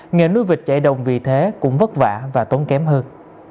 nghề nuôi vịt chạy đồng vì thế cũng vất vả và tốn kém hơn